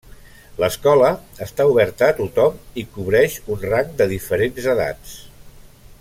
L'escola està oberta a tothom i cobreix un rang de diferents edats.